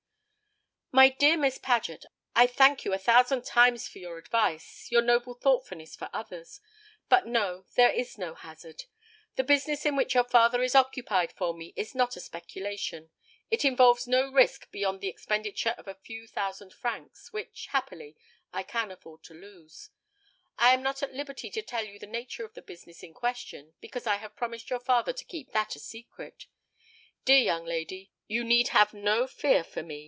"My dear Miss Paget, I thank you a thousand times for your advice, your noble thoughtfulness for others. But no, there is no hazard. The business in which your father is occupied for me is not a speculation. It involves no risk beyond the expenditure of a few thousand francs, which, happily, I can afford to lose. I am not at liberty to tell you the nature of the business in question, because I have promised your father to keep that a secret. Dear young lady, you need have no fear for me.